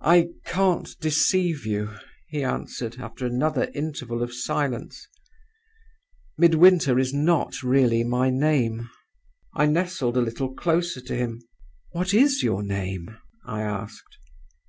"'I can't deceive you,' he answered, after another interval of silence; 'Midwinter is not really my name.' "I nestled a little closer to him. "'What is your name?' I asked.